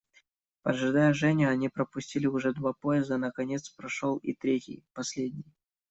Поджидая Женю, они пропустили уже два поезда, наконец прошел и третий, последний.